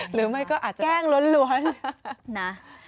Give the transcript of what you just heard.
หรือไม่ก็อาจจะแกล้งล้วนนะ